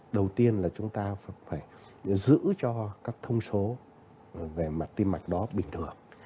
đầu tiên là chúng ta phải giữ cho các thông số về mặt tim mạch đó bình thường